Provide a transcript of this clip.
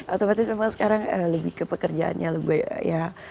otomatis memang sekarang lebih ke pekerjaannya lebih ya